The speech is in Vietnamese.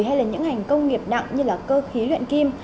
hay là những ngành công nghiệp nặng như là cơ khí luyện kim